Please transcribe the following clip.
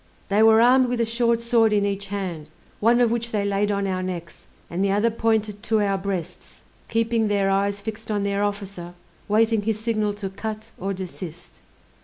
They were armed with a short sword in each hand, one of which they laid on our necks, and the other pointed to our breasts, keeping their eyes fixed on their officer, waiting his signal to cut or desist.